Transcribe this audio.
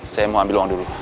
saya mau ambil uang dulu